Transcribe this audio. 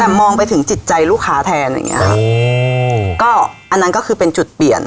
แต่มองไปถึงจิตใจลูกค้าแทนอย่างเงี้ค่ะอืมก็อันนั้นก็คือเป็นจุดเปลี่ยน